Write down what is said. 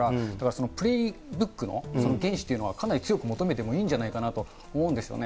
だからそのプレイブックの厳守というのは強く求めてもいいんじゃないかなと思うんですよね。